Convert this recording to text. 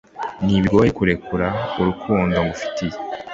n'ibigoye kurekura urukundo ngufitiye